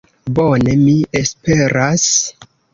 Bone, mi esperas.